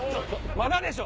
まだでしょ！